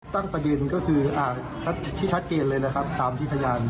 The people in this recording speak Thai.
ตั้งประเด็นก็คือที่ชัดเจนเลยนะครับตามที่พยาน